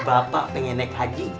bapak pengen naik haji